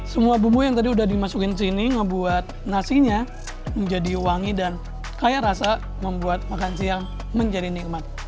semua bumbu yang tadi udah dimasukin ke sini ngebuat nasinya menjadi wangi dan kaya rasa membuat makan siang menjadi nikmat